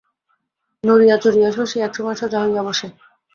নড়িয়া চড়িয়া শশী একসময় সোজা হইয়া বসে।